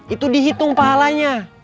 itu dihitung pahalanya